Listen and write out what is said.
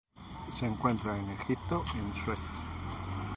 Se encuentra en Egipto en Suez.